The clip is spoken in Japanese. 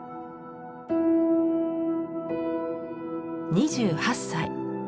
２８歳。